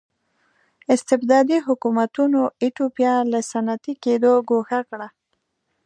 استبدادي حکومتونو ایتوپیا له صنعتي کېدو ګوښه کړه.